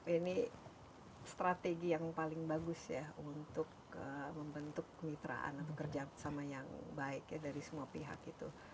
ini strategi yang paling bagus ya untuk membentuk kemitraan atau kerjasama yang baik ya dari semua pihak itu